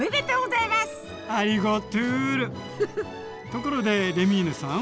ところでレミーヌさん！